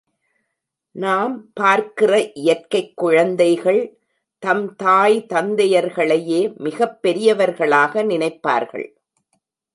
நாம் பார்க்கிற இயற்கைக் குழந்தைகள் தம் தாய் தந்தையர்களையே மிகப் பெரியவர்களாக நினைப்பார்கள்.